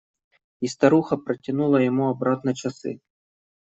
И старуха протянула ему обратно часы.